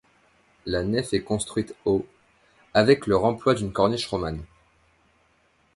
La nef est construite au avec le remploi d'une corniche romane.